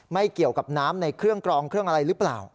ไม่เกี่ยวกับน้ำในเครื่องกรองเครื่องอะไรหรือเปล่า